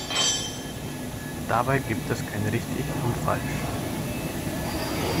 Dabei gibt es kein Richtig und Falsch.